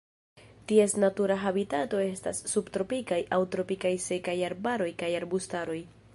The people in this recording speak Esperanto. Ties natura habitato estas subtropikaj aŭ tropikaj sekaj arbaroj kaj arbustaroj.